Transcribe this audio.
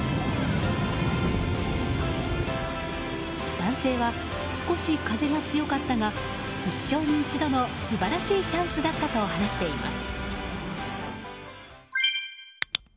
男性は、少し風が強かったが一生に一度の素晴らしいチャンスだったと話しています。